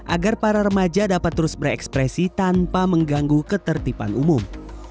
agar para remaja dapat terus berekspresi tanpa mengganggu ketertiban umum